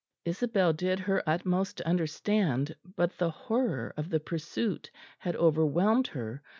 Isabel did her utmost to understand, but the horror of the pursuit had overwhelmed her.